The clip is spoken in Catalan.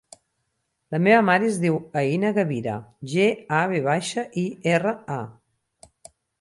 La meva mare es diu Aïna Gavira: ge, a, ve baixa, i, erra, a.